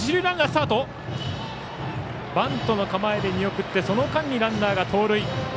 バントの構えで見送ってその間にランナーが盗塁。